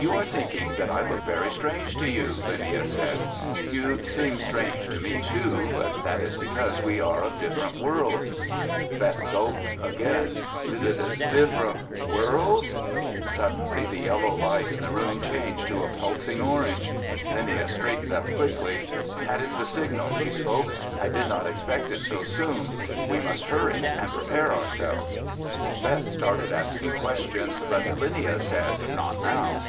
"You are thinking that I look very strange to you," Linnia said. "You seem strange to me too, but that is because we are of different worlds." Beth gulped again. "D—different worlds?" Suddenly the yellow light in the room changed to a pulsing orange. Linnia straightened up quickly. "That is the signal," she spoke. "I did not expect it so soon. We must hurry and prepare ourselves!" Beth started asking questions, but Linnia said not now.